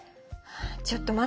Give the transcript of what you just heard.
ちょっと待って！